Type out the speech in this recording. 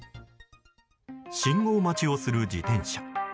信号待ちをする自転車。